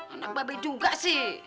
anak ba be juga sih